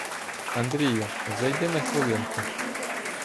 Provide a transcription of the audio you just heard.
— Андрію, зайди на хвилинку!